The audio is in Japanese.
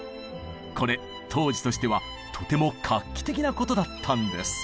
これ当時としてはとても画期的なことだったんです。